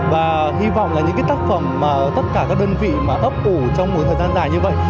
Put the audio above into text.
và hy vọng là những cái tác phẩm mà tất cả các đơn vị mà ấp ủ trong một thời gian dài như vậy